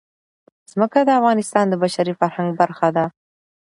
ځمکه د افغانستان د بشري فرهنګ برخه ده.